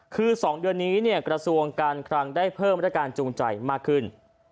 คือ๒เดือนนี้กระทรวงการคลังได้เพิ่มมาตรการจูงใจมากขึ้น